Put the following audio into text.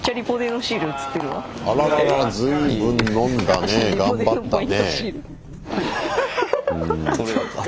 あららら随分飲んだね頑張ったね。